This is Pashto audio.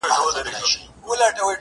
• دا موږک چي ځانته ګرځي بې څه نه دی..